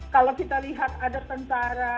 kalau kita lihat ada tentara